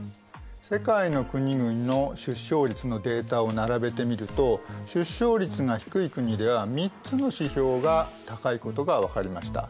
世界の国々の出生率のデータを並べてみると出生率が低い国では３つの指標が高いことが分かりました。